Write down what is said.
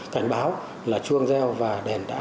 cảnh báo là chuông gieo và đèn đã